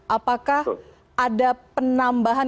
apakah ada penambahan